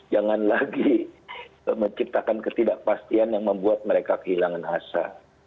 jangan lagi menciptakan ketidakpastian yang membuat mereka kehilangan hasa